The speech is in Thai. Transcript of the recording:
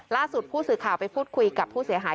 ล่าสุดผู้สื่อข่าวไปพูดคุยกับผู้เสียหาย